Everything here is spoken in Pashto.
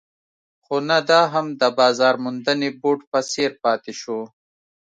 خو نه دا هم د بازار موندنې بورډ په څېر پاتې شو.